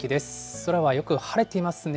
空はよく晴れていますね。